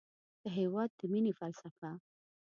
د هېواد د مینې فلسفه